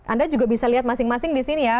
anda juga bisa lihat masing masing di sini ya